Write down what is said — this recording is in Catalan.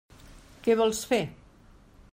Què vols fer?